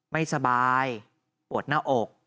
ไม่สบายปวดหน้าอก